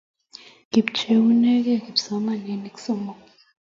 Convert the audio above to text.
kipcheunegei kipsomaninik somok